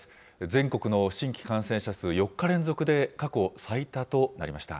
全国の新規感染者数、４日連続で過去最多となりました。